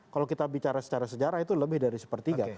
kalau kita bicara secara sejarah itu lebih dari sepertiga